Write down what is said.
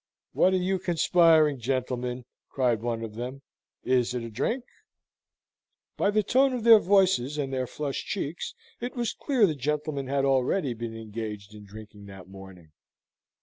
"What are you conspiring, gentlemen?" cried one of them. "Is it a drink?" By the tone of their voices and their flushed cheeks, it was clear the gentlemen had already been engaged in drinking that morning.